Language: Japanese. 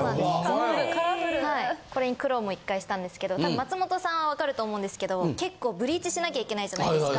・全部カラフル・これに黒も１回したんですけど多分松本さんは分かると思うんですけど結構ブリーチしなきゃいけないじゃないですか。